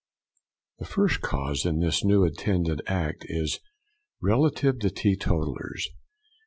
_ The first Clause in this new intended Act is relative to Teetotalers.